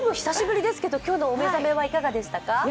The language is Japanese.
久しぶりですけど、今日のお目覚めはいかがでしたか。